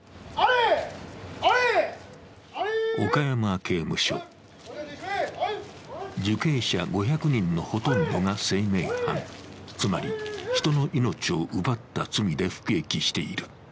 岡山刑務所、受刑者５００人のほとんどが生命犯、つまり人の命を奪った罪で服役している。